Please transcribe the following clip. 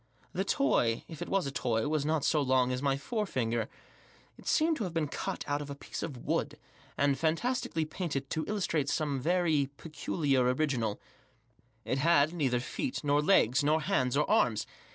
The toy, if it was a toy, was not so long as my fore finger. It seemed to have been cut out of a piece of wood, and fantastically painted to illustrate aorce very peculiar original It had neither test nor leg nor hands or arms.